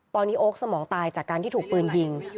ตอนนี้โอ๊คสมองตายจากการที่ถูกปืนยิง